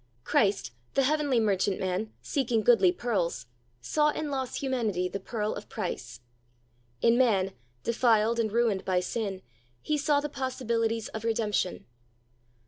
Christ, the heavenly merchantman seeking goodly pearls, saw in lost humanity the pearl of price. In man, defiled and ruined by sin, He saw the possibilities of redemption.